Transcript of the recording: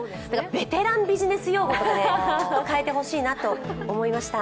ベテランビジネス用語とかに変えてほしいなと思いました。